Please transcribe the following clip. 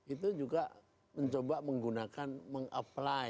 itu juga mencoba menggunakan meng apply